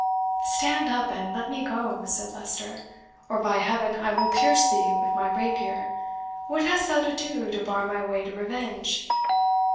"Stand up, and let me go," said Leicester, "or, by Heaven, I will pierce thee with my rapier! What hast thou to do to bar my way to revenge?"